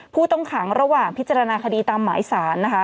ผู้ต้องขังระหว่างพิจารณาคดีตามหมายสารนะคะ